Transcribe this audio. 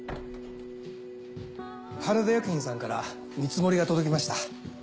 はらだ薬品さんから見積もりが届きました。